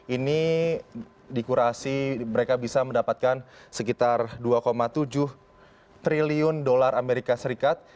ini di kurasi mereka bisa mendapatkan sekitar dua tujuh triliun dolar amerika serikat